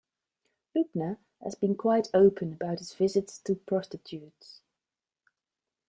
Loebner has been quite open about his visits to prostitutes.